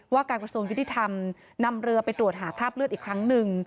การกระทรวงยุติธรรมนำเรือไปตรวจหาคราบเลือดอีกครั้งหนึ่ง